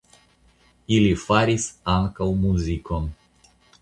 Ili faris ankaŭ muzikon.